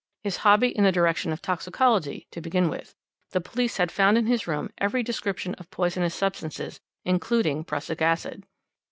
His hobby in the direction of toxicology, to begin with. The police had found in his room every description of poisonous substances, including prussic acid.